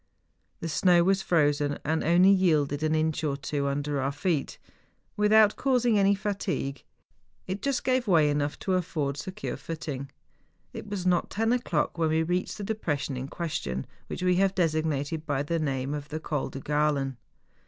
The snow was frozen, and only yielded an inch or two under our feet. Without causing any fatigue, it just gave 88 MOUNTAIN ADVENTURES. way enougli to afford secure footing. It was not ten o'clock when we reached the depression in ques¬ tion, which we have designated by the name of the Col de Gralen.